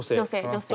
女性。